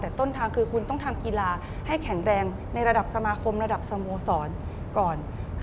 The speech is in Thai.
แต่ต้นทางคือคุณต้องทำกีฬาให้แข็งแรงในระดับสมาคมระดับสโมสรก่อน